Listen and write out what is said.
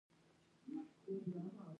ما جملې د معیار مطابق برابرې کړې.